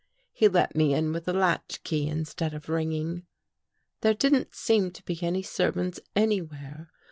He let me in with a latchkey instead of ringing. There didn't seem to be any servants anywhere.